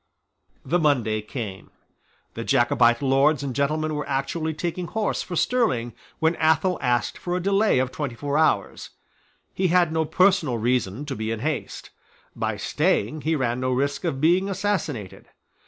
The Monday came. The Jacobite lords and gentlemen were actually taking horse for Stirling, when Athol asked for a delay of twenty four hours. He had no personal reason to be in haste. By staying he ran no risk of being assassinated.